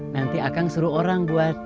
nanti akang suruh orang buat